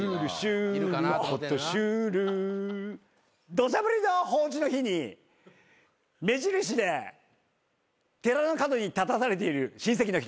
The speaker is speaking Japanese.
土砂降りの法事の日に目印で寺の角に立たされている親戚の人。